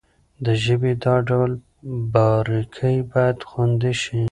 د ژبې دا ډول باريکۍ بايد خوندي شي.